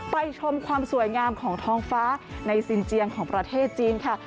ชมความสวยงามของท้องฟ้าในสินเจียงของประเทศจีนค่ะ